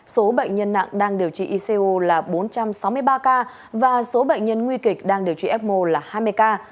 số bệnh nhân nặng đang điều trị icu là bốn trăm sáu mươi ba ca và số bệnh nhân nguy kịch đang điều trị ecmo là hai mươi ca